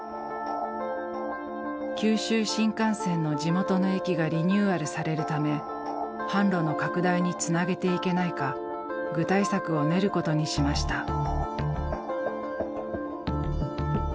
九州新幹線の地元の駅がリニューアルされるため販路の拡大につなげていけないか具体策を練ることにしました。